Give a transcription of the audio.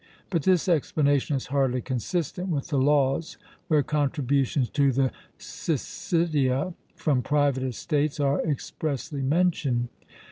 But this explanation is hardly consistent with the Laws, where contributions to the Syssitia from private estates are expressly mentioned.